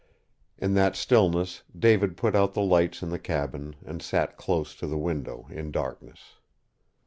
In that stillness David put out the lights in the cabin and sat close to the window in darkness.